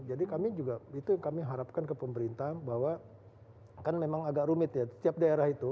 jadi kami juga itu yang kami harapkan ke pemerintah bahwa kan memang agak rumit ya tiap daerah itu